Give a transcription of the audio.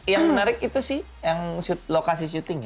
yang menarik itu sih yang lokasi syuting ya